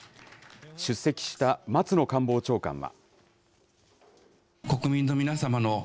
出席した松野官房長官は。